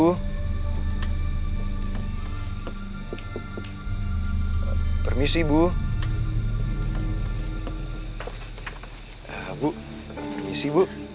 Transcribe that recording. bu permisi bu